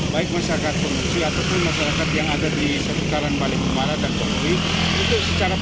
baik masyarakat kondisi ataupun masyarakat yang ada di sekitaran balihumara dan pemuli